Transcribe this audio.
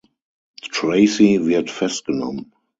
Tracy wird festgenommen.